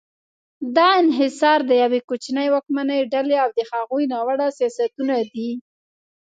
دا انحصار د یوې کوچنۍ واکمنې ډلې او د هغوی ناوړه سیاستونه دي.